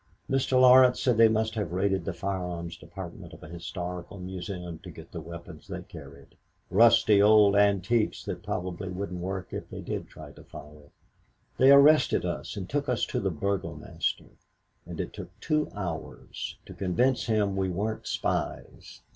Mr. Laurence said they must have raided the firearms' department of a historical museum to get the weapons they carried; rusty old antiques that probably wouldn't work if they did try to fire. They arrested us and took us to the Burgomaster, and it took two hours to convince him we weren't spies.